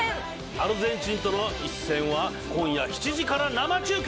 アルゼンチンとの一戦は、今夜７時から生中継。